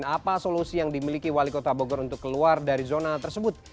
apa solusi yang dimiliki wali kota bogor untuk keluar dari zona tersebut